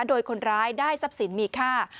โดยคนร้ายได้ทรัพย์สินมีค่า